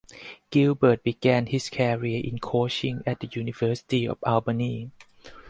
Gilbert began his career in coaching at the University at Albany.